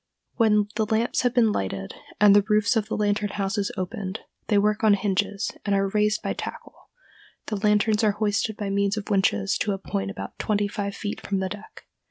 When the lamps have been lighted and the roofs of the lantern houses opened,—they work on hinges, and are raised by tackle,—the lanterns are hoisted by means of winches to a point about twenty five feet from the deck.